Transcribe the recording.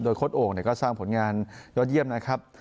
โค้ดโอ่งก็สร้างผลงานยอดเยี่ยมนะครับ